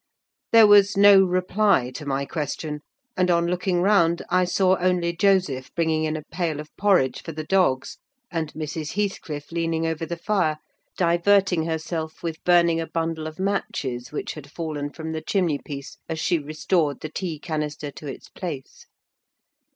There was no reply to my question; and on looking round I saw only Joseph bringing in a pail of porridge for the dogs, and Mrs. Heathcliff leaning over the fire, diverting herself with burning a bundle of matches which had fallen from the chimney piece as she restored the tea canister to its place.